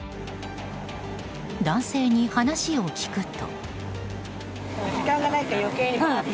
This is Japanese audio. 男性に話を聞くと。